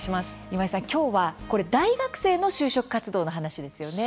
今井さん、きょうはこれ大学生の就職活動の話ですよね。